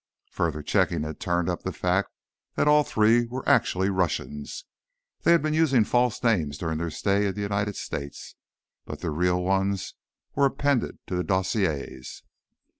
Further checking had turned up the fact that all three were actually Russians. They had been using false names during their stay in the United States, but their real ones were appended to the dossiers.